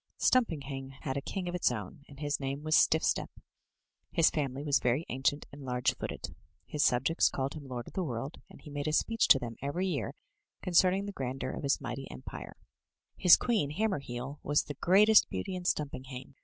Stumpinghame had a king of its own, and his name was Stiff step; his family was very ancient and large footed. His subjects called him Lord of the World, and he made a speech to them every year concerning the grandeur of his mighty empire. His *Taken from Oranny'a Wonderful Chair. 12 THROUGH FAIRY HALLS queen, Hammerheel, was tiie greatest beauty in Stumping hame.